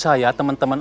siapa itu yang bertenang